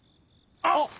あっ！